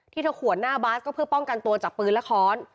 ที่เธอขวนหน้าบาสก็เพื่อป้องกันตัวจากปืนและค้อน